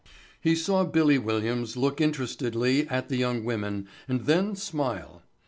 He saw "Billy" Williams look interestedly at the young women and then smile.